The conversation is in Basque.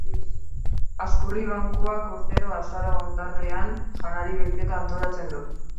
Hazkurri Bankuak urtero azaro hondarrean janari bilketa antolatzen du.